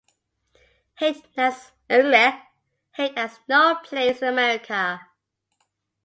Hate has no place in America.